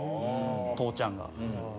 父ちゃんが。